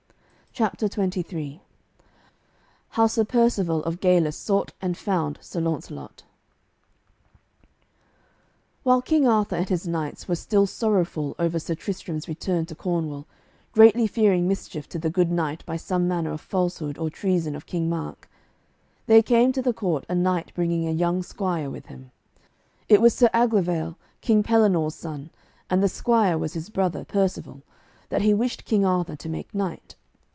CHAPTER XXIII HOW SIR PERCIVALE OF GALIS SOUGHT AND FOUND SIR LAUNCELOT While King Arthur and his knights were still sorrowful over Sir Tristram's return to Cornwall, greatly fearing mischief to the good knight by some manner of falsehood or treason of King Mark, there came to the court a knight bringing a young squire with him. It was Sir Aglovale, King Pellinore's son, and the squire was his brother, Percivale, that he wished King Arthur to make knight.